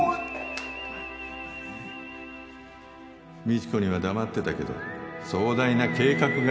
未知子には黙ってたけど壮大な計画があるの。